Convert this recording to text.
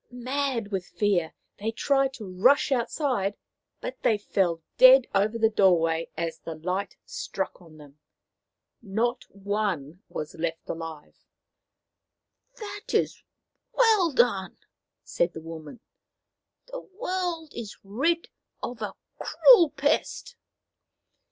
Mad with fear, they tried to rush out side, but they fell dead over the doorway as the light struck on them. Not one was left alive. " That was well done," said the woman. " The world is rid of a cruel pest."